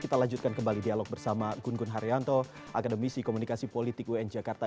kita lanjutkan kembali dialog bersama gun gun haryanto akademisi komunikasi politik un jakarta